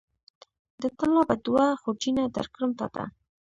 د طلا به دوه خورجینه درکړم تاته